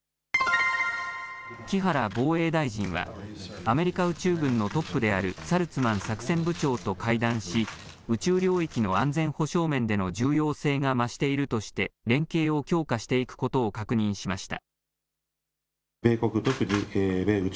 木原防衛大臣は、アメリカ宇宙軍のトップであるサルツマン作戦部長と会談し、宇宙領域の安全保障面での重要性が増しているとして、連携を強化していくことを確認しました。